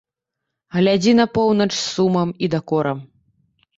Глядзі на поўнач з сумам і дакорам.